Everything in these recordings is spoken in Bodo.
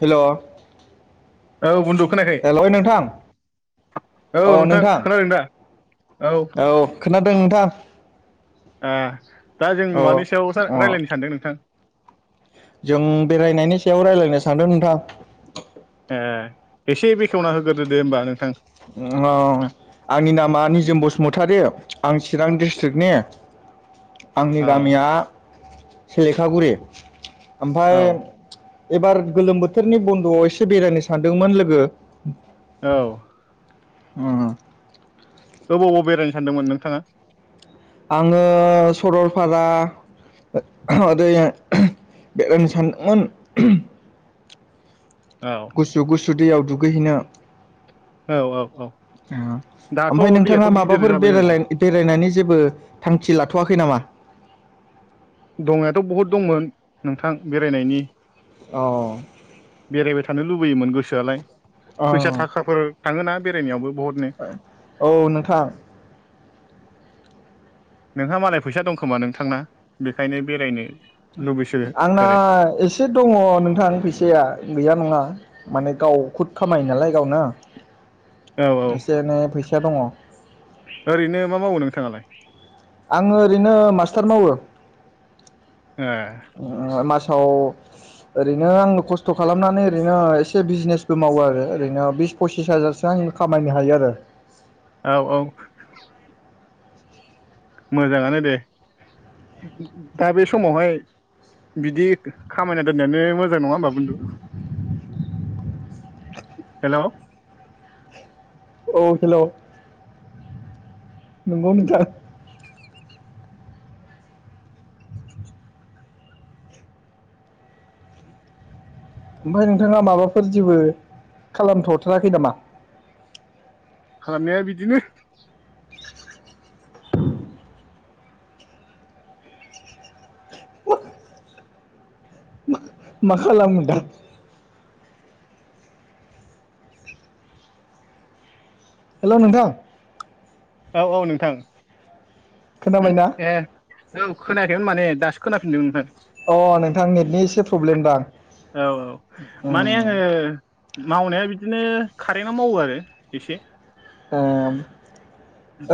हेल'। औ बुन्दु। खोनायाखै हेल' नोंथां औ नोंथां औ। खोनादों नोंथां। ओ दा जों औ मानि सायाव सार अ रायज्लायनो सानदों नोंथां? जों बेरायनायनि सायाव रायज्लायनो सानदों नोंथां। ए एसे बेखेवना होग्रोदो दे होमबा नोंथां। औ आंनि नामा निजोम बसुमतारी आं चिरां डिस्ट्रिक्टनि। आंनि औ गामिया सिलेखागुरि ओमफाय। औ एबार गोलोम बोथोरनि बन्द'आव एसे बेरायनो सानदोंमोन लोगो। औ। उ ओ होबाव होबाव बेरायनो सानदोंमोन नोंथाङा? आङो सरलपारा ओरै बेरायनो सानदोंमोन औ गुसु गुसु दैयाव दुगैहैनो औ औ औ दाथ' ओमफ्राय नोंथाङा दैयाथ' गिदिर माबाफोर जाबाय बे ओं बेरायनायनि जेबो थांखि लाथ'वाखै नामा? दंनायाथ' बहुद दंमोन नोंथां बेरायनायनि अ बेरायबाय थानो लुबैयोमोन गोसोआलाय औ फैसा थाखाफोर थाङोना बेरायनायावबो बहुदनो औ नोंथां नोंहा मालाय फैसा दंखोमा नोंथांना बेखायनो बेरायनो लुबैसो आंना आरो एसे दङ नोंथां फैसाया गैया नङा माने गाव खुद खामायो नालाय गावनो औ औ एसे एनै फैसा दङ। ओरैनो मा मावो नोंथाङालाय आङो ओरैनो मास्टार मावो। ए औ ओरैनो आंबो खस्थ' खालामनानै ओरैनो एसे बिजनेसबो मावो आरो ओरैनो बिस फसिस हाजारसो आ खामायनो हायो आरो औ औ मोजाङानो दे दा बे समावहाय बिदि खामायना दोननायानो मोजां नङा होमबा बनदु हेल' अ हेल' नंगौ नोंथां। ओमफ्राय नोंथाङा माबाफोर जेबो खालामथ'थाराखै नामा? खालामनाया बिदिनो। अ। मा -मा खालामगोन दा? हेल' नोंथां। औ औ नोंथां खोनाबायना ए औ खोनायाखैमोन माने दासो खोनाफिनदों ओमफ्राय। अ नोंथां नेटनि एसे प्रब्लेम दां। औ माने आङो मावनाया बिदिनो कारेन्टआव मावो आरो एसे ए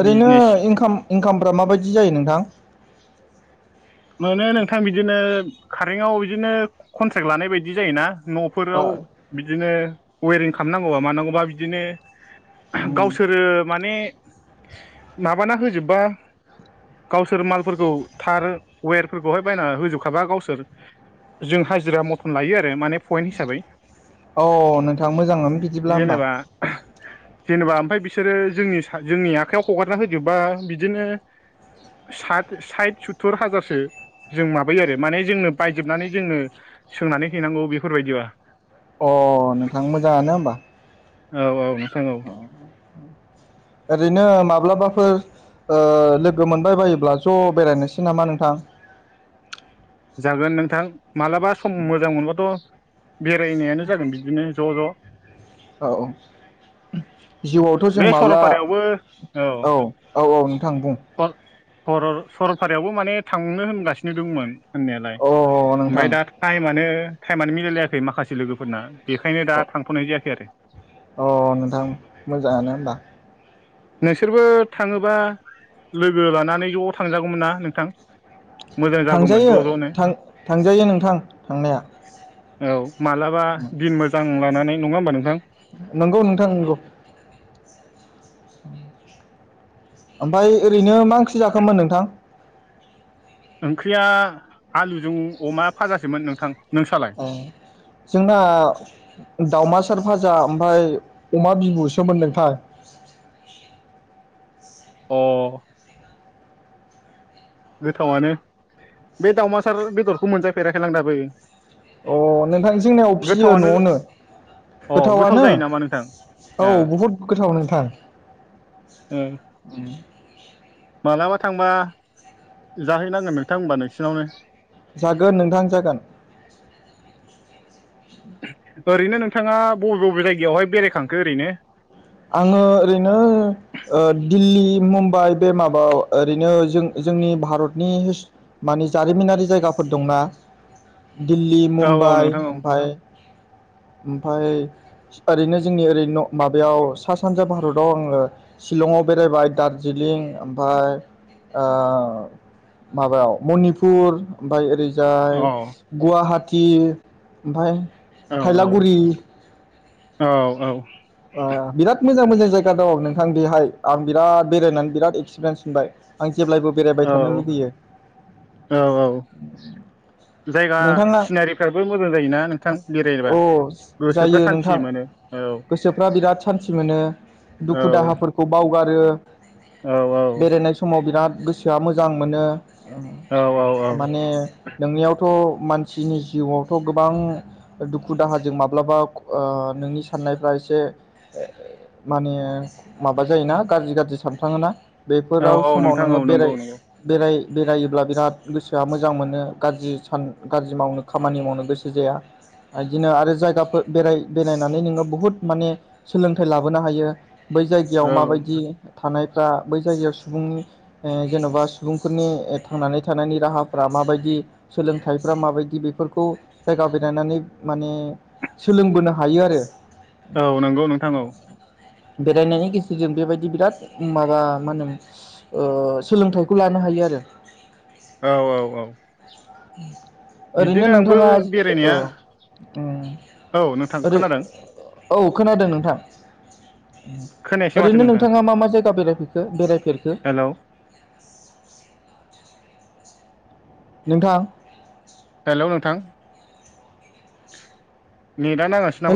ओरैनो बिजनेस इनकाम इनकामफ्रा माबायदि जायो नोंथां? मोनो नोंथां बिदिनो कारेन्टआव बिदिनो कन्ट्रेक्ट लानाय बायदि जायोना। ओ न'फोराव बिदिनो वेरिं खालामनांगौबा मानांगौबा बिदिनो उम अ गावसोरो माने माबाना होजोबबा गावसोर मालफोरखौ थार वेरफोरखौहाय बायना होजोबखाबा गावसोर जों हाजिरा मथन लायो आरो माने पइन्ट हिसाबै नोंथां मोजाङानो बिदिब्ला होमबा जेनेबा जेनेबा ओमफ्राय बिसोरो जोंनि -जोंनि आखाइयाव हगारना होजोबबा बिदिनो सात साइत सतुर हाजार जों माबायो आरो माने जोंनो बायजोबनानै जोंनो सोंनानै हैनांगौ बेफोरबायदिबा। अ नोंथां मोजाङानो होमबा। औ औ। नोंथां औ ओरैनो माब्लाबा ओ लोगो मोनबाय बायोब्ला ज' बेरायनोसै नामा नोंथां? जागोन नोंथां मालाबा सम मोजां मोनबाथ' बेरायनायानो जागोन बिदिनो ज' ज'। औ औ। जिउआवथ' बे जों माब्ला सरलपारायावबो औ औ औ नोंथां बुं सरल-सरलपारायावबो माने थांनो होनगासिनो दंमोन। होननायालाय अ नोंथां ओमफ्राय दा टाइमानो -टाइमानो मिलायलायाखै माखासे लोगोफोरना। बेखायनो दा थांथ'नाय जायाखै आरो। अ नोंथां मोजाङानो होमबा। नोंसोरबो थाङोबा लोगो लानानै ज' थांजागौमोन ना नोंथां। मोजां जागौमोन थांजायो ज' ज'नो थां -थांजायो नोंथां थांनाया। औ माब्लाबा दिन मोजां लानानै नङा होमबा नोंथां। नंगौ नोंथां नंगौ। ओमफाय ओरैनो मा ओंख्रि जाखोमोन नोंथां? ओंख्रिया आलुजों अमा फाजासोमोन नोंथां। नोंसालाय जोंना दावमासार [unintelligible] [unintelligible] ओमफाय अमा बिबुसोमोन नोंथां। अ। गोथावानो बे दावमासार बेदरखौ मोनजाफेराखैलां दाबो। अ नोंथां जोंनिाव फियो गोथावानो न'आवनो अ गोथाव गोथावानो। जायो नामा नोंथां औ ओ बहुद गोथाव नोंथां। ओ। मालाबा थांबा जाहैनांगोन नोंथां होनबा नोंसिनावनो। जागोन नोंथां जागोन। ओरैनो नोंथाङा बबे- बबे जायगायावहाय बेरायखांखो ओरैनो? आंङो ओरैनो ओ दिल्ली मुम्बाइ बे माबाआव ओरैनो जों जोंनि भारतनि माने जारिमिनारि जायगा फोर दंना। [inaudible] दिल्ली औ औ मुम्बाइ नोंथां ओमफाय ओमफाय ओरैनो जोंनि ओरै न' माबायाव सा सानजा भारताव आंङो शिलंआव बेरायबाय दारजिलिं ओमफाय ओ माबायाव मनिपुर ओमफाय ओरै जाय औ गुवाहाटि ओमफाय औ थायलागुरि औ औ औ। ओ बिराद मोजां मोजां जायगा दं नोंथां बेहाय आं बिराद बेरायनानै बिराद एक्सपिरियेन्स मोनबाय आं जेब्लायबो बेरायबाय औ थानो लुगैयो। औ औ। जायगा नोंथाङा सिनारिफ्राबो मोजां जायोना नोंथां बेरायबा औ जायो गोसोफ्रा नोंथां सान्थि मोनो। औ। गोसोफ्रा बिराद सान्थि मोनो औ दुखु दाहाफोरखौ बावगारो। औ बेरायनाय समाव बिराद गोसोआ मोजां मोनो। औ औ माने नोंनियावथ' मानसिनि जिउआवथ' गोबां दुखु दाहाजों माब्लाबा ओ नोंनि साननायफ्रा से माने माबा जायोना गाज्रि गाज्रि सानफ्लांङोना। औ बेफोराव औ समाव नोंथां नोङो औ बेराय नंगौ नंगौ बेराय बेरायोब्ला बिराद गोसोआ मोजां मोनो गाज्रि सान गाज्रि मावनो खामानि मावनो गोसो जाया बिदिनो आरो जायगाफोर बेराय बेरायनानै नोङो बुहुद माने सोलोंथाइ लाबोनो हायो बै जायगायाव औ माबायदि थानायफ्रा बै जायगायाव सुबुंनि ओ जेन'बा सुबुंफोरनि थांनानै थानायनि राहाफ्रा माबायदि सोलोंथाइफ्रा माबायदि बेफोरखौ जायगा बेरायनानै माने सोलोंबोनो हायो आरो। औ नंगौ नोंथां औ। बेरायनायनि गेजेरजों बेबायदि बिराद माबा मा होनो ओ सोलोंथाइखौ लानो हायो आरो। औ औ औ। [inaudible] ओरैनो बिदिनो आंबो नोंथाङा औ बेरायनाया उम औ नोंथां ओरै खोनादों औ खोनादों नोंथां खोनायासै माथो ओरैनो नोंथां नोंथाङा मा मा जायगा बेरायफैखो बेराय रखो? हेलौ नोंथां। हेलौ नोंथां नेटआ नांङासै नामा?